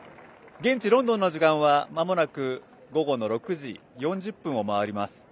現地ロンドンの時間はまもなく午後の６時４０分を回ります。